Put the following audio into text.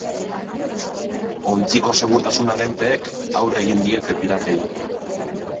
Ontziko segurtasun agenteek aurre egin diete piratei.